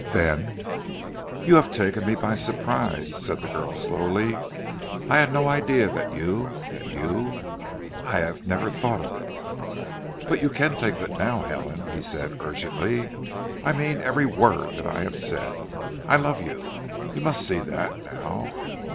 "Then " "You have taken me by surprise," said the girl slowly. "I had no idea that you that you I have never thought of it." "But you can think now, Helen," he said urgently. "I mean every word that I have said. I love you. You must see that now.